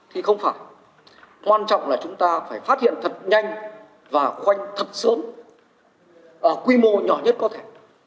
thì không phải quan trọng là chúng ta phải phát hiện thật nhanh và khoanh thật sớm ở quy mô nhỏ nhất có thể